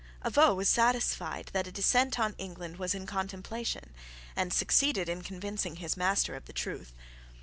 Avaux was satisfied that a descent on England was in contemplation, and succeeded in convincing his master of the truth.